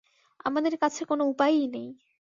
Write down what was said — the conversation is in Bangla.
আমাদের কাছে কোনো উপায়ই নেই।